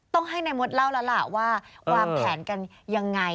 ต้องให้นายมดเล่าแล้วล่ะว่าวางแผนกันยังไง